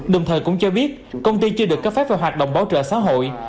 đồng thời cũng cho biết công ty chưa được cấp phép về hoạt động bảo trợ xã hội